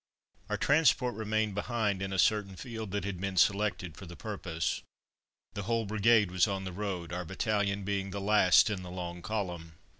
Our transport remained behind in a certain field that had been selected for the purpose. The whole brigade was on the road, our battalion being the last in the long column.